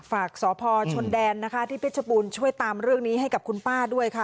ฝากสพชนแดนนะคะที่เพชรบูรณ์ช่วยตามเรื่องนี้ให้กับคุณป้าด้วยค่ะ